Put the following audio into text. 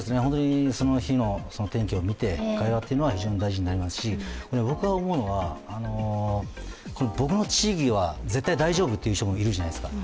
その日の天気を見て会話というのは非常に大事になりますし、僕の地域は絶対大丈夫と言う人もいるじゃないですか。